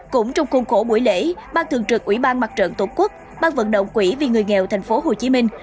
cũng trong khuôn khổ buổi lễ ban thường trực ubnd tổ quốc ban vận động quỹ vì người nghèo thành phố hồ chí minh